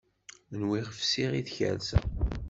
Nwiɣ fsiɣ i tkersa.